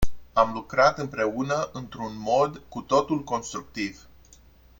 Am lucrat împreună într-un mod cu totul constructiv.